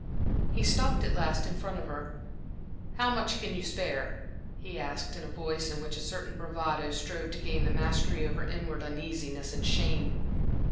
He stopped at last in front of her. "How much can you spare?" he asked, in a voice in which a certain bravado strove to gain the mastery over inward uneasiness and shame.